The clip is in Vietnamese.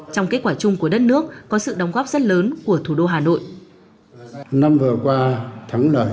trong kết quả chung của đất nước có sự đóng góp rất lớn của thủ đô hà nội